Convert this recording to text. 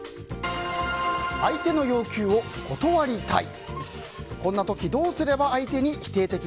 相手の要求を断りたい。